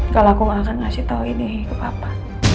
kalau aku gak akan ngasih tau ini ke papa